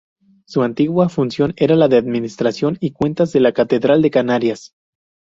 Su antigua función era la de administración y cuentas de la catedral de Canarias.